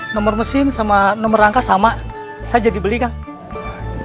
nomor mesin sama nomor rangka sama saya jadi beli kang